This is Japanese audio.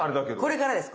これからです。